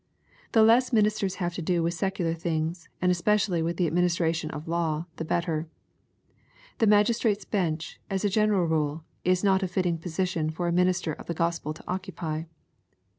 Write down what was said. The less ministers have to do with secular things, and es pecially with the administration of law, the better. The magis trate's bench, as a general rule, is not a fitting position for a min ister of the Gospel to occupy.